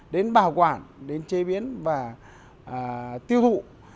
đến bảo quản đến chế biến và tiêu thụ